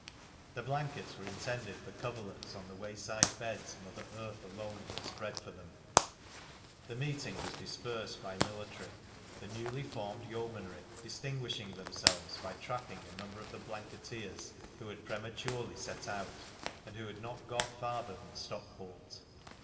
The blankets were intended for coverlets on the wayside beds Mother Earth alone would spread for them. The meeting was dispersed by military, the newly formed Yeomanry distinguishing themselves by trapping a number of the Blanketeers who had prematurely set out, and who had not got farther than Stockport.